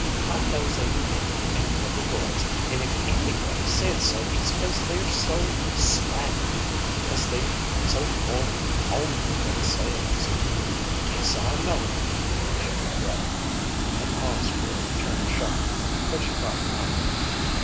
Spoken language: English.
My nose ain't crooked an' never was, an' if anybody says so it's 'cause they're so spity, 'cause they're so mortal homely themselves. Guess I know." She drew breath, and paused for a return shot, but she got none.